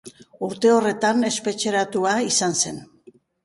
Urte horretan espetxeratua izan zen.